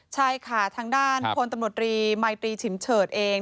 ใช่ค่ะทางด้านพลตำรวจรีมายตรีฉิมเฉิดเอง